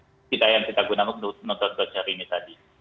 kita yang kita gunakan untuk menonton konser ini tadi